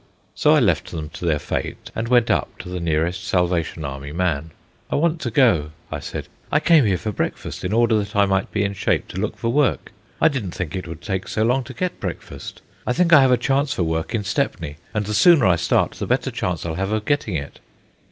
So I left them to their fate, and went up to the nearest Salvation Army man. "I want to go," I said. "I came here for breakfast in order that I might be in shape to look for work. I didn't think it would take so long to get breakfast. I think I have a chance for work in Stepney, and the sooner I start, the better chance I'll have of getting it."